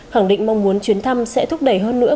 khẳng định mong muốn chuyến thăm sẽ thúc đẩy hơn nữa